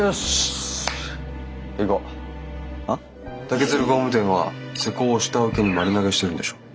竹鶴工務店は施工を下請けに丸投げしてるんでしょ。